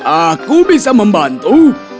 aku bisa membantu